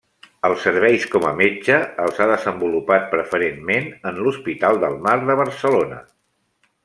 Els serveis com a metge els ha desenvolupat preferentment en l’Hospital del Mar de Barcelona.